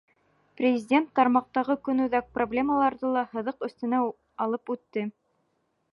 Президент тармаҡтағы көнүҙәк проблемаларҙы ла һыҙыҡ өҫтөнә алып үтте.